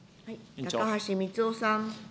高橋光男さん。